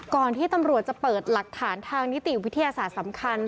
ก่อนที่ตำรวจจะเปิดหลักฐานทางนิติวิทยาศาสตร์สำคัญ